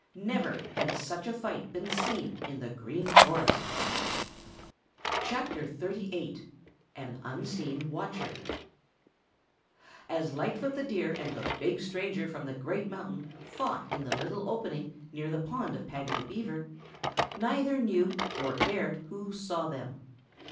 Never had such a fight been seen in the Green Forest. CHAPTER XXXVIII AN UNSEEN WATCHER As Lightfoot the Deer and the big stranger from the Great Mountain fought in the little opening near the pond of Paddy the Beaver, neither knew or cared who saw them.